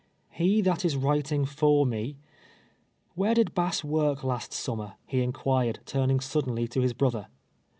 ' He that is writing for me —' TTliere did Bass work last summer ?" he inrpiired, turning suddenly to his brother.